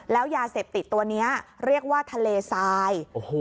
แล้วยาเสพติดตัวนี้เรียกว่าทะเลทราย